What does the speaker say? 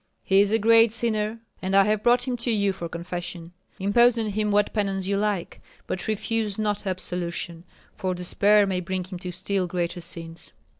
"He is a great sinner, and I have brought him to you for confession. Impose on him what penance you like, but refuse not absolution, for despair may bring him to still greater sins."